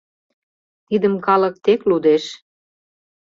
Тидым калык тек лудеш!